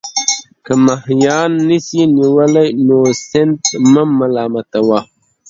که ماهيان نسې نيولى، نو سيند مه ملامت وه.